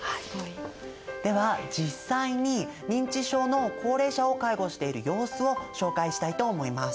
では実際に認知症の高齢者を介護している様子を紹介したいと思います。